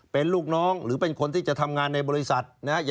เป็นลูกน้องหรือเป็นคนที่จะทำงานในบริษัทนะฮะ